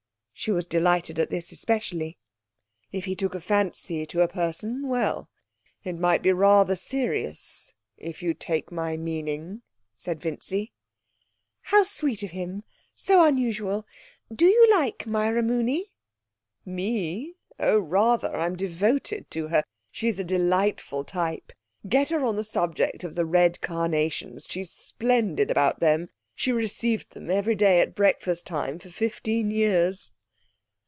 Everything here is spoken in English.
She was delighted at this especially. 'If he took a fancy to a person well, it might be rather serious, if you take my meaning,' said Vincy. 'How sweet of him! So unusual. Do you like Myra Mooney?' 'Me? Oh, rather; I'm devoted to her. She's a delightful type. Get her on to the subject of the red carnations. She's splendid about them.... She received them every day at breakfast time for fifteen years.